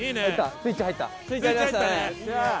スイッチ入ったね。